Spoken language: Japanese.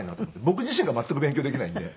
僕自身が全く勉強できないんで。